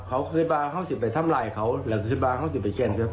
เคยมาเข้าใช่ไปทำลายเขาหรือเคยมาเข้าไปแก่งเขา